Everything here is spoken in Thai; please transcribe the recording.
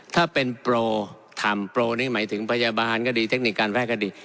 ถ้าเป็นโปรทำโปรนี่หมายถึงพยาบาลก็ดีเทคนิคการแพทย์ก็ดี